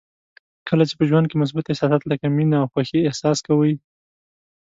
کله چې په ژوند کې مثبت احساسات لکه مینه او خوښي احساس کوئ.